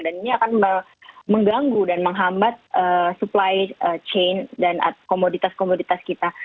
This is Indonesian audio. dan ini akan mengganggu dan menghambat supply chain dan komoditas komoditas kita